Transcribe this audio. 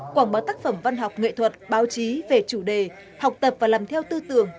quảng bá tác phẩm văn học nghệ thuật báo chí về chủ đề học tập và làm theo tư tưởng